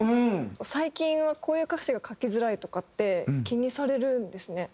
最近はこういう歌詞が書きづらいとかって気にされるんですね。